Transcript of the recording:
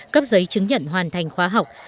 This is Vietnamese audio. cấp giấy chứng nhận hoàn thành khóa học